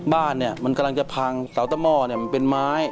บ้านเนี่ยมันกำลังจะพังเสาตะหม้อมันเป็นไม้